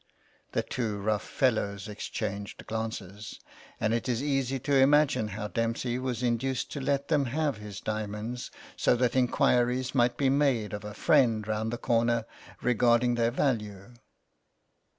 The two rough fellows exchanged glances ; and it is easy to imagine how Dempsey was induced to let them have his diamonds, so that inquiries might be made of a friend round the corner regarding their value.